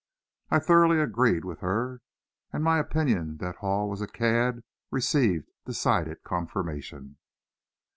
I thoroughly agreed with her, and my opinion that Hall was a cad received decided confirmation.